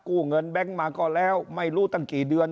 เงินแบงค์มาก็แล้วไม่รู้ตั้งกี่เดือน